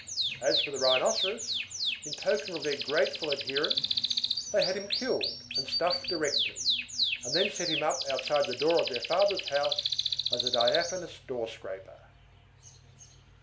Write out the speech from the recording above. As for the Rhinoceros, in token of their grateful adherence, they had him killed and stuffed directly, and then set him up outside the door of their father's house as a diaphanous doorscraper.